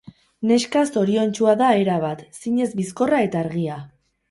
Neska zoriontsua da erabat, zinez bizkorra eta argia.